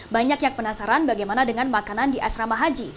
banyak yang penasaran bagaimana dengan makanan di asrama haji